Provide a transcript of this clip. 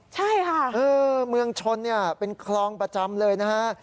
ใช่ค่ะเมืองชนเนี่ยเป็นคลองประจำเลยนะฮะ